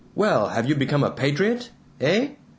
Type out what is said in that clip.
Well, have you become a patriot? Eh?